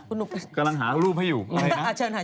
คุณหนุ่มกันกำลังหารูปให้อยู่อะไรนะ